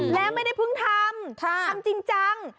และไม่ได้เพิ่งทำทำจริงจัง